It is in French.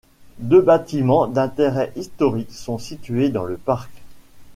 Deux bâtiments d’intérêt historique sont situés dans le parc.